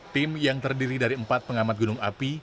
tim yang terdiri dari empat pengamat gunung api